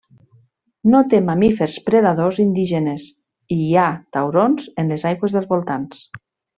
No té mamífers predadors indígenes i hi ha taurons en les aigües dels voltants.